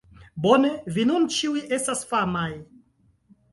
Bone, vi nun ĉiuj estas famaj